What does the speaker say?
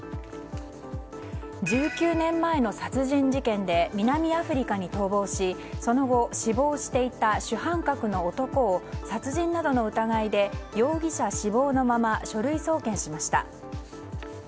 １９年前の殺人事件で南アフリカに逃亡しその後死亡していた主犯格の男を殺人などの疑いで容疑者死亡のまま書類送検しました。